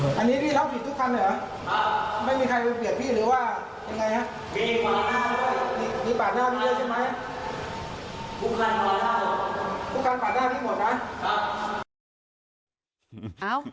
ค่ะ